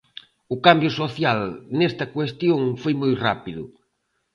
O cambio social nesta cuestión foi moi rápido.